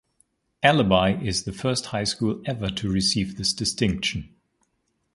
Appleby is the first high school ever to receive this distinction.